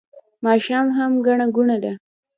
ماښام هم ګڼه ګوڼه ده